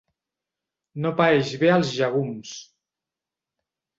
No paeix bé els llegums.